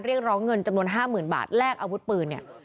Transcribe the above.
เรียกร้องเงินจำนวน๕๐๐๐บาทแลกอาวุธปืนเนี่ย